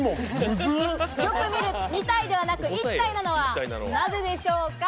よく見る２体ではなく、１体なのは、なぜでしょうか？